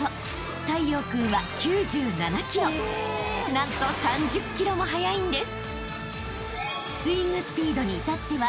［何と３０キロも速いんです］